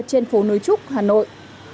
trên phố nối trúc hà nội